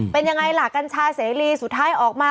เป็นยังไงล่ะกัญชาเสรีสุดท้ายออกมา